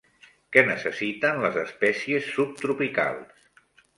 Què necessiten les espècies subtropicals?